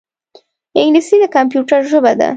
انګلیسي د کمپیوټر ژبه ده